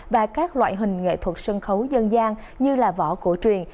và các loại hình nghệ thuật sân khấu dân gian như là võ cổ truyền